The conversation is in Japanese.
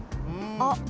あっ。